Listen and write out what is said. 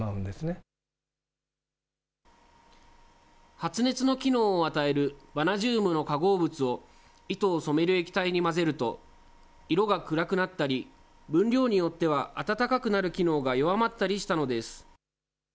発熱の機能を与えるバナジウムの化合物を、糸を染める液体に混ぜると、色が暗くなったり、分量によってはあたたかくなる機能が弱まったりしたのです。